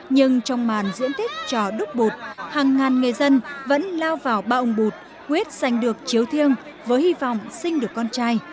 nhưng trong màn diễn tích cho đức bụt hàng ngàn người dân vẫn lao vào bạo ông bụt quyết giành được chiếu thiêng với hy vọng sinh được con trai